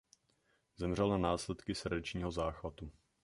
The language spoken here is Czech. Zemřel na následky srdečního záchvatu.